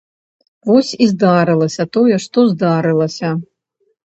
Вось і здарылася тое, што здарылася.